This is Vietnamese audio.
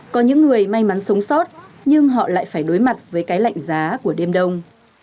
có những người may mắn sống sót nhưng họ lại phải đối mặt với cái lạnh giá của đêm đông